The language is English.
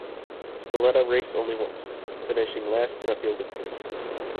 Spilletta raced only once, finishing last in a field of three.